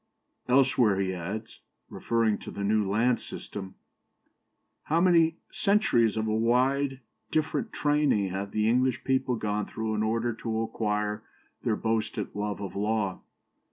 " Elsewhere he adds, referring to the land system: "How many centuries of a widely different training have the English people gone through in order to acquire their boasted love of law."